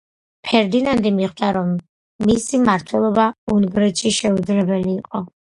ფერდინანდი მიხვდა, რომ მისი მმართველობა უნგრეთში შეუძლებელი იყო.